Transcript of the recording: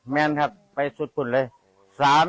แม่นครับไปสุดทุนเลย